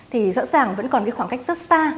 thì rõ ràng vẫn còn cái khoảng cách rất xa